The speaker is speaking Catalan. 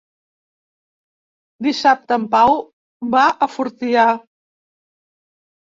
Dissabte en Pau va a Fortià.